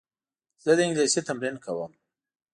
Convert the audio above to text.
زه د انګلیسي تمرین کوم.